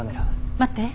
待って。